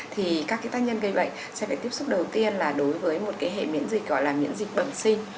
thì các cái tác nhân gây bệnh sẽ phải tiếp xúc đầu tiên là đối với một cái hệ miễn dịch gọi là miễn dịch bẩm sinh